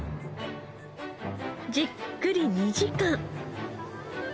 じっくり２時間。